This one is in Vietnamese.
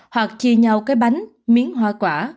hoặc chia nhau cái bánh miếng hoa quả